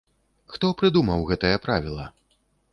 Хто прыдумаў гэтае правіла?